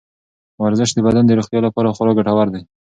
ورزش د بدن د روغتیا لپاره خورا ګټور دی.